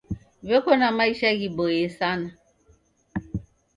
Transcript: W'eko na maisha ghiboie sana.